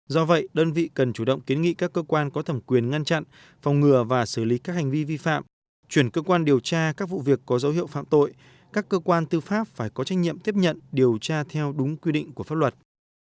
do vậy đơn vị cần chủ động kiến nghị các cơ quan có thẩm quyền ngăn chặn phòng ngừa và xử lý các hành vi vi phạm chuyển cơ quan điều tra các vụ việc có dấu hiệu phạm tội các cơ quan tư pháp phải có trách nhiệm tiếp nhận điều tra theo đúng quy định của pháp luật